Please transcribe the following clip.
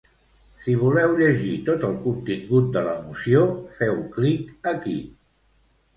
Si voleu llegir tot el contingut de la moció, feu clic aquí.